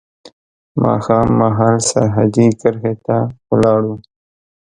ماښام مهال سرحدي کرښې ته ولاړو.